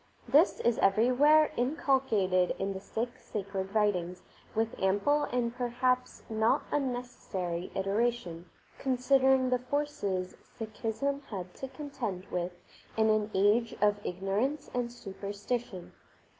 This is everywhere inculcated in the Sikh sacred writings with ample and perhaps not unnecessary iteration, considering the forces Sikhism had to contend with in an age of ignorance and superstition.